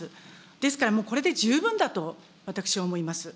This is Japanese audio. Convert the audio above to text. ですからこれで十分だと、私は思います。